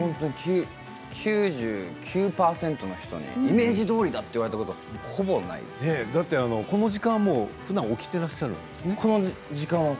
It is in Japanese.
９９％の人にイメージどおりだと言われたことだってこの時間ふだん起きていらっしゃるんですね。